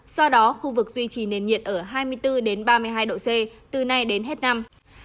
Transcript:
do đó khu vực duy trì nền nhiệt ở hai mươi bốn ba mươi hai độ c từ nay đến hết năm